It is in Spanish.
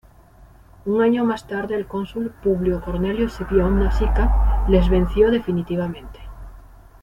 Un año más tarde el cónsul Publio Cornelio Escipión Nasica les venció definitivamente.